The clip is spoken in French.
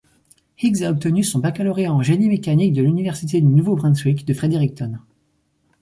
Higgs a obtenu son baccalauréat en génie mécanique de l'Université du Nouveau-Brunswick de Fredericton.